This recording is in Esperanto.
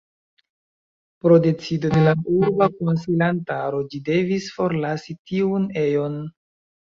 Pro decido de la urba konsilantaro ĝi devis forlasi tiun ejon.